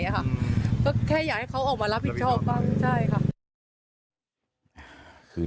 แค่อยากให้เขาออกมารับผิดชอบ